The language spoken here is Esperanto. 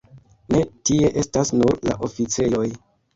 Ne, tie estas nur la oficejoj.